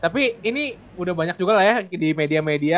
tapi ini udah banyak juga lah ya di media media